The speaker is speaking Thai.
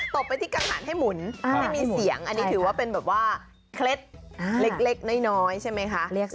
บไปที่กระหารให้หมุนให้มีเสียงอันนี้ถือว่าเป็นแบบว่าเคล็ดเล็กน้อยใช่ไหมคะ